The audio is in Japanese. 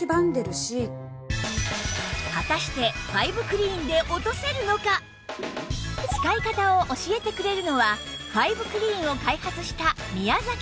果たして使い方を教えてくれるのはファイブクリーンを開発した宮さん